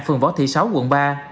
phường võ thị sáu quận ba